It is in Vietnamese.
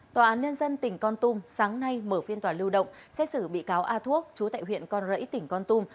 tòa án nhân dân tỉnh con tum sáng nay mở phiên tòa lưu động xét xử bị cáo a thuốc chú tại huyện con rẫy tỉnh con tum